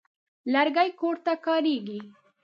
لرګي کور ته کارېږي.